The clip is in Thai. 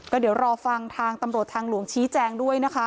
ก็เดี๋ยวรอฟังทางตำรวจทางหลวงชี้แจงด้วยนะคะ